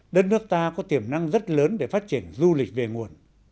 đất nước ta có tiềm năng rất lớn để phát triển du lịch về nguồn